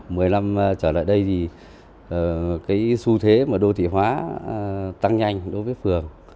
mười năm trở lại đây thì cái xu thế mà đô thị hóa tăng nhanh đối với phường